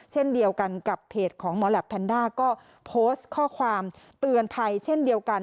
เช่นเดียวกันกับเพจของหมอแหลปแพนด้าก็โพสต์ข้อความเตือนภัยเช่นเดียวกัน